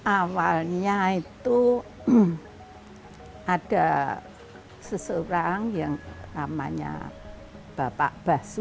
awalnya itu ada seseorang yang namanya bapak basuki